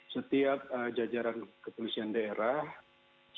setiap jajaran kepolisian daerah sudah dikoordinasi